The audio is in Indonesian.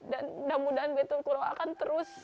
dan mudah mudahan betul kuro akan terus